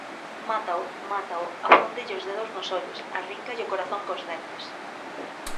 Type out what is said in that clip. Mátao, mátao, afúndelle os dedos nos ollos, arríncalle o corazón cos dentes.